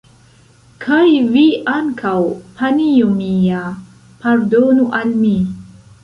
Kaj vi ankaŭ, panjo mia, pardonu al mi!